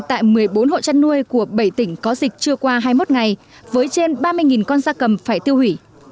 tại một mươi bốn hộ chăn nuôi của bảy tỉnh có dịch chưa qua hai mươi một ngày với trên ba mươi con da cầm phải tiêu hủy